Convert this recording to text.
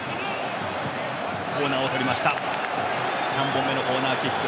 ３本目のコーナーキック